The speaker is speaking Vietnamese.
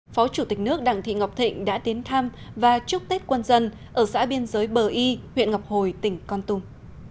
phó chủ tịch nước đặng thị ngọc thịnh đã đến thăm và chúc tết quân dân ở xã biên giới bờ y huyện ngọc hồi tỉnh con tum